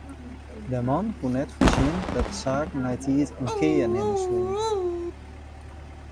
De man koe net foarsjen dat de saken neitiid in kear nimme soene.